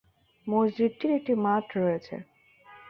মসজিদটির একটি মাঠ রয়েছে।